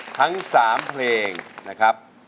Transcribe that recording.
ทั้ง๓เพลงนะครับ